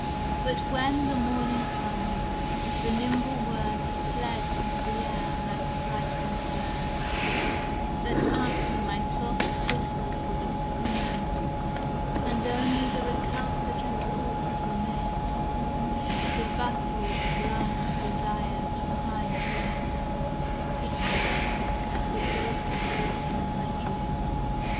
But when the morning comes, the nimble words Have fled into the air like frightened birds, That answer my soft whistle with a scream; And only the recalcitrant thoughts remain; The baffled blind desire to find again The accents that were docile in my dream.